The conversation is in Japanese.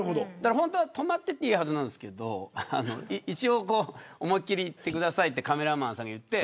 本当は止まってていいはずなんですけど一応、思いっきりやってくださいとカメラマンさんが言って。